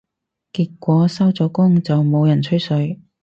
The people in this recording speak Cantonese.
結果收咗工就冇人吹水